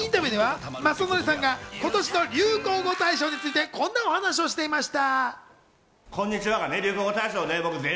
インタビューでは雅紀さんが今年の流行語大賞について、こんなお話をしていました。